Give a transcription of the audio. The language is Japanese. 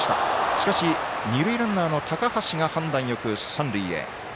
しかし二塁ランナーの高橋が判断よく、三塁へ。